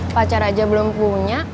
pacar aja belum punya